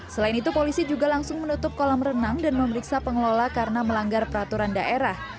selain itu polisi juga langsung menutup kolam renang dan memeriksa pengelola karena melanggar peraturan daerah